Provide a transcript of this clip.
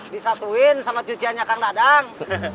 disatuin sama cuciannya kang dadang